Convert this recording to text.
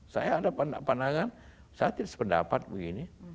saya ada pandangan saya tidak sependapat begini